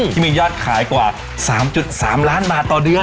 ที่มียอดขายกว่า๓๓ล้านบาทต่อเดือน